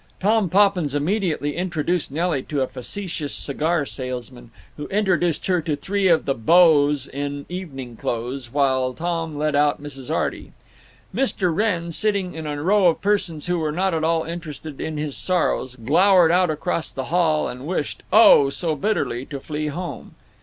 Tom Poppins immediately introduced Nelly to a facetious cigar salesman, who introduced her to three of the beaux in evening clothes, while Tom led out Mrs. Arty. Mr. Wrenn, sitting in a row of persons who were not at all interested in his sorrows, glowered out across the hall, and wished, oh! so bitterly, to flee home.